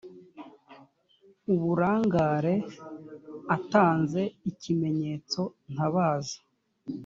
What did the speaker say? uburangare atanze ikimenyetso ntabaza